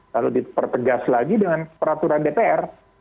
lalu dipertegas lagi dengan peraturan dpr